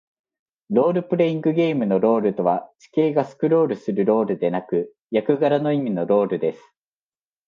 ロールプレイングゲームのロールとは、地形がスクロールするロールではなく、役柄の意味のロールです。